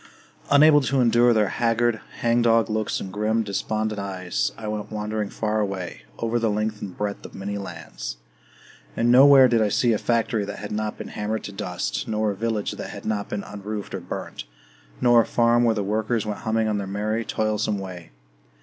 Unable to endure their haggard, hangdog looks and grim, despondent eyes, I went wandering far away, over the length and breadth of many lands. And nowhere did I see a factory that had not been hammered to dust, nor a village that had not been unroofed or burnt, nor a farm where the workers went humming on their merry, toilsome way.